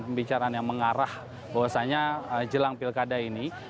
pembicaraan yang mengarah bahwasannya jelang pilkada ini